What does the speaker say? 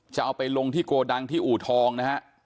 จะเอาไปลงที่โกดังที่อู่ทองนะฮะ